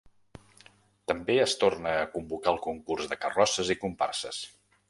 També es torna a convocar el concurs de carrosses i comparses.